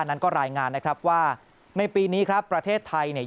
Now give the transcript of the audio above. นั้นก็รายงานนะครับว่าในปีนี้ครับประเทศไทยเนี่ย